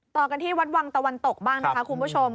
ต่อกันที่วัดวังตะวันตกบ้างนะคะคุณผู้ชม